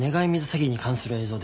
詐欺に関する映像です。